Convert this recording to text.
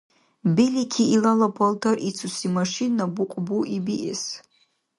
Белики, илала палтар ицуси машина букьбуи биэс?